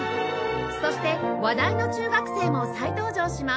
そして話題の中学生も再登場します